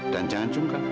dan jangan cungkang